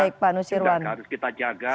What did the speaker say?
sudah harus kita jaga